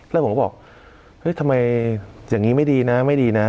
แล้วผมก็บอกเฮ้ยทำไมอย่างนี้ไม่ดีนะไม่ดีนะ